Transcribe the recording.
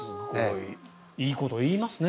いいこと言いますね。